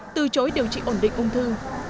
từ chối điều trị ổn định ung thư